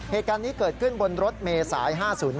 เหตุการณ์นี้เกิดขึ้นบนรถเมษาย๕๐